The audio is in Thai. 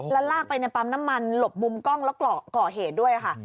แล้วลากไปในปั๊มน้ำมันหลบมุมกล้องแล้วก่อเหตุด้วยค่ะ